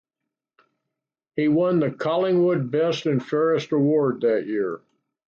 He won the Collingwood best and fairest award that year.